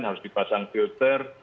harus dipasang filter